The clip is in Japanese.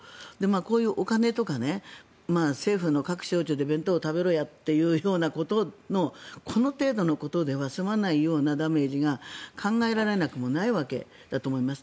こういうお金とか政府の各省庁で弁当食べろやということのこの程度のことでは済まないようなダメージが考えられなくもないわけだと思います。